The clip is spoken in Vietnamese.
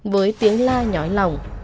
với tiếng la nhói lòng